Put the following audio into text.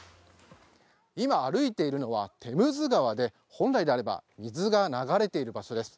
今、歩いているのはテムズ川で本来であれば水が流れている場所です。